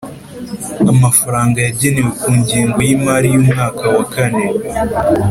Amafaranga yagenewe ku ngengo y imari y umwaka wa kane